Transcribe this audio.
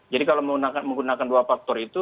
jadi kalau menggunakan dua faktor itu